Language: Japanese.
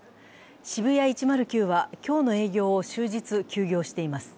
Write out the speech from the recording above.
ＳＨＩＢＵＹＡ１０９は今日の営業を終日休業しています